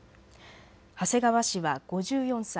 長谷川氏は５４歳。